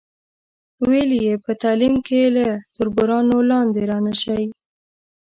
ویل یې په تعلیم کې له تربورانو لاندې را نشئ.